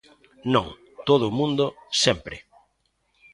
Non, todo o mundo, sempre.